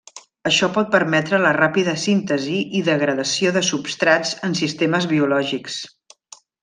Això pot permetre la ràpida síntesi i degradació de substrats en sistemes biològics.